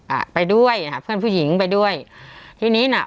อ่าไปด้วยอ่าเพื่อนผู้หญิงไปด้วยทีนี้น่ะ